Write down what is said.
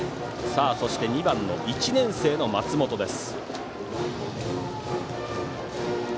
そして、２番の１年生の松本です。